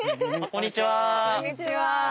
こんにちは。